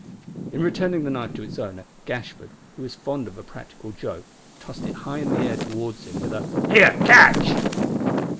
In returning the knife to its owner, Gashford, who was fond of a practical joke, tossed it high in the air towards him with a "Here, catch."